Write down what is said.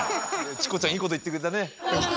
チコちゃんいいこと言ってくれたねえ。